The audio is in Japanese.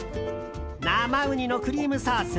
生うにのクリームソース。